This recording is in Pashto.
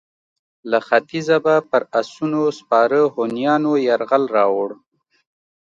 له ختیځه به پر اسونو سپاره هونیانو یرغل راووړ.